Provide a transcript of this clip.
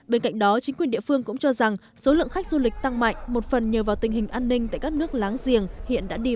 bên cạnh đó chính quyền địa phương cũng cho rằng số lượng khách du lịch tăng mạnh một phần nhờ vào tình hình an ninh tại các nước láng giềng hiện đã đi vào